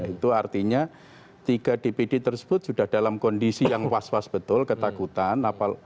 itu artinya tiga dpd tersebut sudah dalam kondisi yang was was betul ketakutan